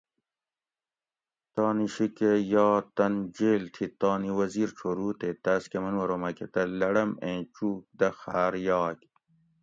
تانی شیکہۤ یا تن جیل تھی تانی وزیر چھورُو تے تاۤس کہ منو ارو مکہۤ تہ لڑم ایں چُوک دہ خاۤر یاگ